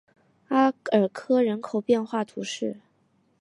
阿尔科人口变化图示